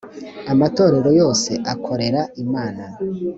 amatorero yose akorera imana.